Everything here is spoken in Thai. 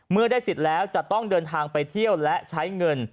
เมื่อได้สิทธิ์แล้วจะต้องเดินทางไปเที่ยวและใช้เงิน